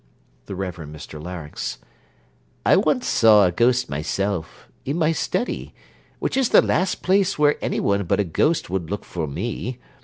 THE REVEREND MR LARYNX I once saw a ghost myself, in my study, which is the last place where any one but a ghost would look for me.